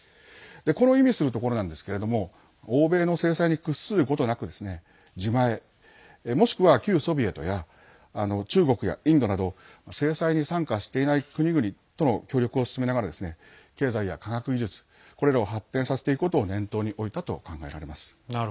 この意味するところなんですけれども欧米の制裁に屈することなく自前、もしくは旧ソビエトや中国やインドなど制裁に参加していない国々との協力を進めながら経済や科学技術これらを発展させていくことを念頭に置いたと考えられます。